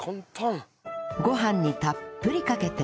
ご飯にたっぷりかけて